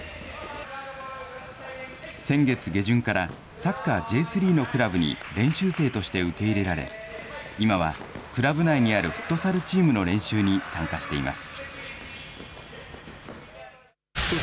先月下旬から、サッカーＪ３のクラブに練習生として受け入れられ、今はクラブ内にあるフットサルチームの練習に参加しています。